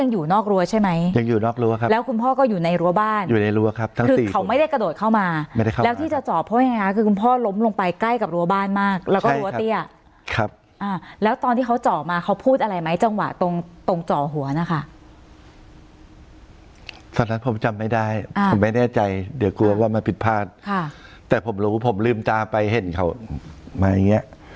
อยู่นอกรัวใช่ไหมยังอยู่นอกรัวครับแล้วคุณพ่อก็อยู่ในรัวบ้านอยู่ในรัวครับทั้งสี่คือเขาไม่ได้กระโดดเข้ามาไม่ได้เข้ามาแล้วที่จะจอเพราะยังไงคะคือคุณพ่อล้มลงไปใกล้กับรัวบ้านมากแล้วก็รัวเตี้ยครับอ่าแล้วตอนที่เขาจอมาเขาพูดอะไรไหมจังหวะตรงตรงจอหัวนะคะตอนนั้นผมจำไม่ได้อ่าผมไม่